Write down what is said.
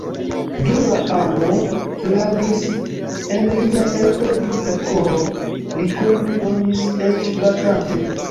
Dura amo flagris en lia elprovita koro; li kore donis, eĉ batante.